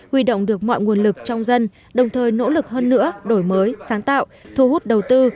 huy động được mọi nguồn lực trong dân đồng thời nỗ lực hơn nữa đổi mới sáng tạo thu hút đầu tư